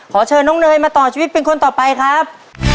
ขอเชิญน้องเนยมาต่อชีวิตเป็นคนต่อไปครับ